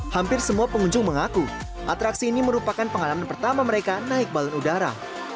hampir semua pengunjung mengaku atraksi ini merupakan pengalaman pertama mereka naik balon udara